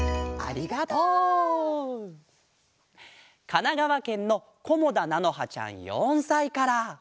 かながわけんのこもだなのはちゃん４さいから。